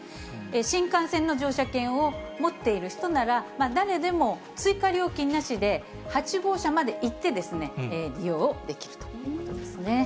新幹線の乗車券を持っている人なら、誰でも追加料金なしで、８号車まで行って、利用できるということですね。